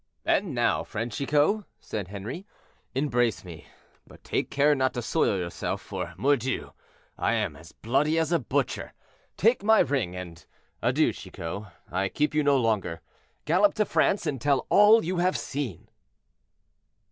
"And now, friend Chicot," said Henri, "embrace me; but take care not to soil yourself, for, mordieu, I am as bloody as a butcher. Take my ring, and adieu, Chicot; I keep you no longer, gallop to France, and tell all you have seen."